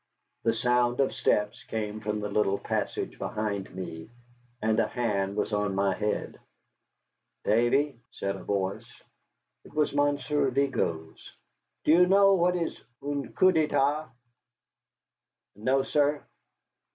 The sound of steps came from the little passage behind me, and a hand was on my head. "Davee," said a voice (it was Monsieur Vigo's), "do you know what is un coup d'état?" "No, sir."